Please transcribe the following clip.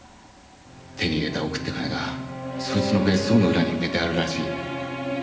手に入れた億って金がそいつの別荘の裏に埋めてあるらしい。